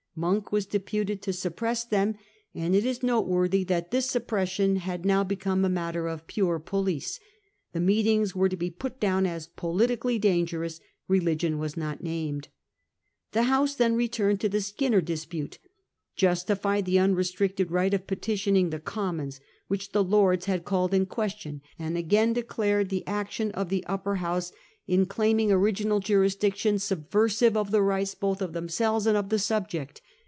Monk was de puted to suppress them ; and it is noteworthy that this suppression had now become a matter of pure police ; the meetings were to be put down as politically dangerous \ The Lords' religion was not named. The House then claim to returned to the Skinner dispute, justified the jurisdiction, unrestricted right of petitioning the Commons, which the Lords had called in question, and again de clared the action of the Upper House in claiming original jurisdiction subversive of the rights both of themselves and of the subject.